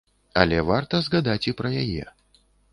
Але варта згадаць і пра яе.